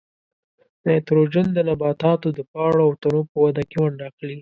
نایتروجن د نباتاتو د پاڼو او تنو په وده کې ونډه اخلي.